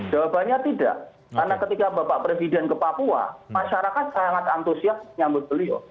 jawabannya tidak karena ketika bapak presiden ke papua masyarakat sangat antusias menyambut beliau